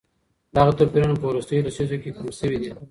دغه توپيرونه په وروستيو لسيزو کي کم سوي دي.